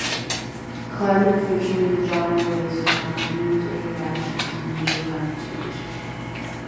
Climate fiction is a genre based around themes of reaction to major climate change.